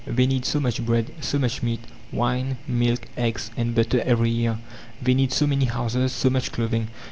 They need so much bread, so much meat, wine, milk, eggs, and butter every year. They need so many houses, so much clothing.